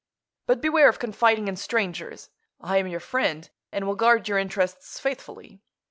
"But beware of confiding in strangers. I am your friend, and will guard your interests faithfully.